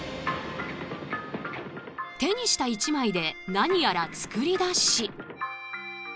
手にした一枚で何やら作り出し。